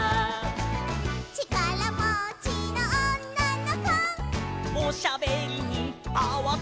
「ちからもちのおんなのこ」「おしゃべりにあわてんぼ」